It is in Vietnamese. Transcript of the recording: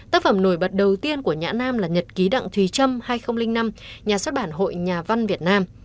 tác phẩm nổi bật đầu tiên của nhã nam là nhật ký đặng thùy trâm hai nghìn năm nhà xuất bản hội nhà văn việt nam